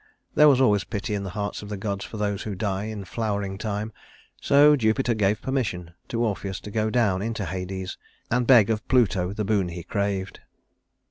There was always pity in the hearts of the gods for those who die in flowering time, so Jupiter gave permission to Orpheus to go down into Hades, and beg of Pluto the boon he craved.